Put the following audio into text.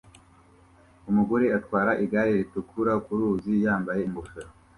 Umugore atwara igare ritukura ku ruzi yambaye ingofero